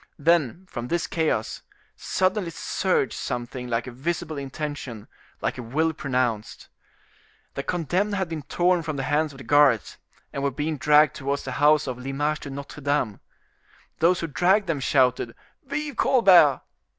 Then, from this chaos, suddenly surged something like a visible intention, like a will pronounced. The condemned had been torn from the hands of the guards, and were being dragged towards the house of L'Image de Notre Dame. Those who dragged them shouted, "Vive Colbert!"